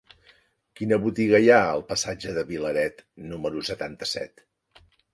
Quina botiga hi ha al passatge de Vilaret número setanta-set?